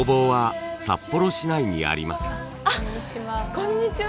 こんにちは。